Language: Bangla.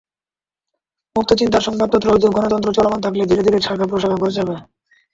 মুক্ত চিন্তার সংবাদপত্র হয়তো গণতন্ত্র চলমান থাকলে ধীরে ধীরে শাখা-প্রশাখা গজাবে।